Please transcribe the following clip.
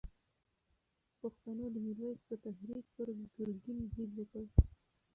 پښتنو د میرویس په تحریک پر ګرګین برید وکړ.